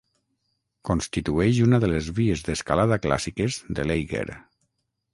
Constitueix una de les vies d'escalada clàssiques de l'Eiger.